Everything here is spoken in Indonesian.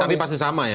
tapi pasti sama ya